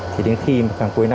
thì đến khi mà càng quên đó